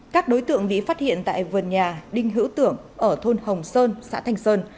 các đối tượng bị phát hiện tại vườn nhà đinh hữu tưởng ở thôn hồng sơn xã thành sơn